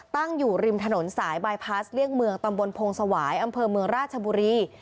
ตั้งอยู่ริมถนนสายบายพลาสเลี่ยงเมืองตำบลพงศวายอำเภอเมืองราชบุรี